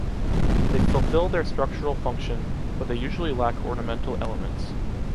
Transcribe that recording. They fulfill their structural function, but they usually lack ornamental elements.